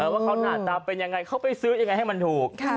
ว่าเขาหน้าตาเป็นยังไงเขาไปซื้อยังไงให้มันถูก